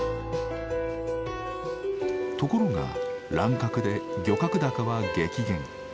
ところが乱獲で漁獲高は激減。